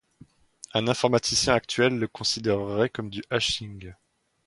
Un informaticien actuel le considérerait comme du hashing.